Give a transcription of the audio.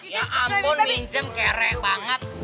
ya ampun minjem kere banget